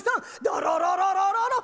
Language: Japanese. だらららららら。